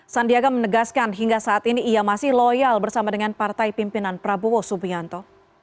sandiaga menegaskan hingga saat ini ia masih loyal bersama dengan partai pimpinan prabowo subianto